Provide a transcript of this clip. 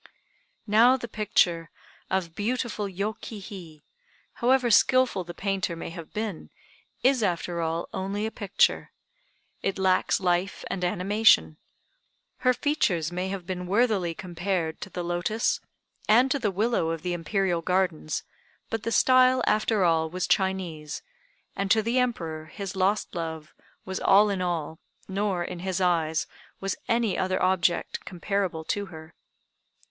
Now the picture of beautiful Yô ki hi, however skilful the painter may have been, is after all only a picture. It lacks life and animation. Her features may have been worthily compared to the lotus and to the willow of the Imperial gardens, but the style after all was Chinese, and to the Emperor his lost love was all in all, nor, in his eyes, was any other object comparable to her.